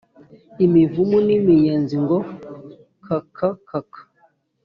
Imivumu n'imiyenzi ngo kakakaka